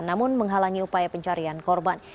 namun menghalangi upaya pencarian korban